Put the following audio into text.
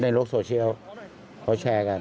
ในโลกโซเชียลเขาแชร์กัน